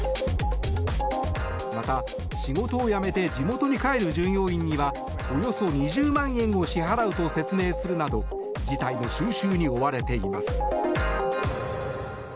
また、仕事を辞めて地元に帰る従業員にはおよそ２０万円を支払うと説明するなど事態の収拾に追われています。